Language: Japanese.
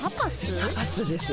タパスですよ。